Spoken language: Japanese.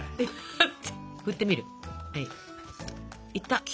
いった！